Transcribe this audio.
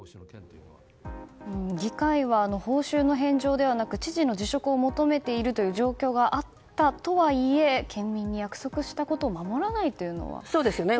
議会は報酬の返上ではなく知事の辞職を求めているという状況があったとはいえ県民に約束したことを守らないというのはどうでしょうか。